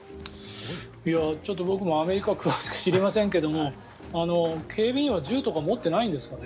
ちょっと僕もアメリカは詳しく知りませんが警備員は銃とか持っていないんですかね。